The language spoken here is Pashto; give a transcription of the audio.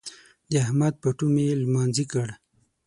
د احمد پټو مې لمانځي کړ.